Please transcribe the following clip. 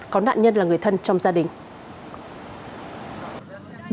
có nạn nhân là người thân trong gia đình